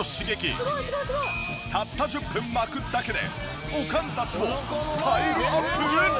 たった１０分巻くだけでおかんたちもスタイルアップ！？